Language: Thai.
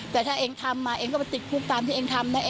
แต่ถ้าเองทำมาเองก็ไปติดคุกตามที่เองทำนะ